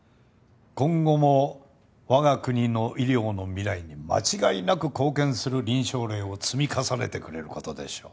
今後も我が国の医療の未来に間違いなく貢献する臨床例を積み重ねてくれる事でしょう。